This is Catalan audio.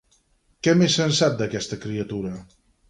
Què més se'n sap d'aquesta criatura?